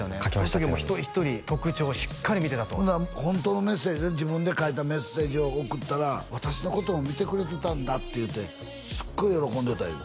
その時も一人一人特徴をしっかり見てたとホントのメッセージ自分で書いたメッセージをおくったら私のことを見てくれてたんだって言うてすっごい喜んでたよ